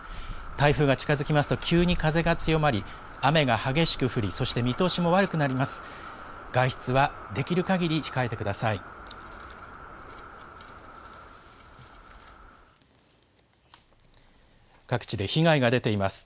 台風が近づきますと急に風が強まり、雨が激しく降り、そして見通しも悪くなります。